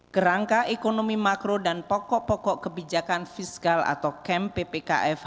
kerangka ekonomi makro dan pokok pokok kebijakan fiskal atau camp ppkm